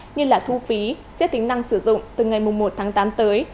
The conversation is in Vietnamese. như là thu phí xét tính năng sử dụng từ ngày một tháng tám tới